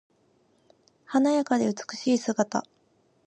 華やかで美しい姿。